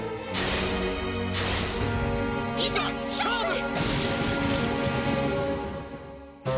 いざ勝負！